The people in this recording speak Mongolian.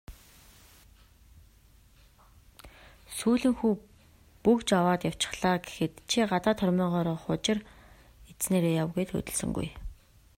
"Сүүлэн хүү бөгж аваад явчихлаа" гэхэд "Чи гадаад хормойгоор хужир идсэнээрээ яв" гээд хөдөлсөнгүй.